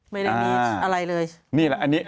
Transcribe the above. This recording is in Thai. ไม่ได้มีอะไรเลย